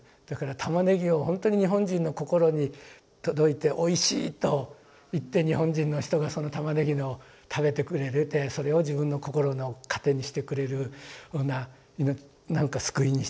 だから玉ねぎをほんとに日本人の心に届いて「おいしい」と言って日本人の人がその玉ねぎの食べてくれててそれを自分の心の糧にしてくれるようななんか救いにしてくれる。